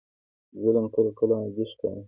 ظلم کله کله عادي ښکاري.